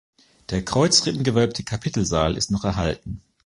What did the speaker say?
Der kreuzrippengewölbte Kapitelsaal ist noch erhalten.